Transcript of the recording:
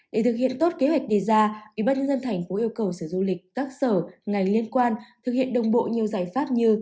để thực hiện tốt kế hoạch đề ra ủy ban nhân dân thành phố yêu cầu sở du lịch các sở ngành liên quan thực hiện đồng bộ nhiều giải pháp như